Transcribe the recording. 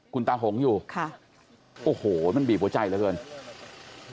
คุณตาหงอยู่ค่ะโอ้โหมันบีบหัวใจกับการทำแผนต่อมา